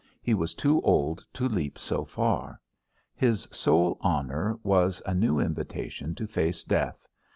He was too old to leap so far; his sole honour was a new invitation to face death.